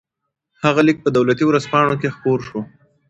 هغه لیک په دولتي ورځپاڼو کې خپور شو.